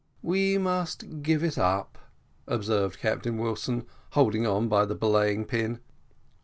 "We must give it up," observed Captain Wilson, holding on by the belaying pin.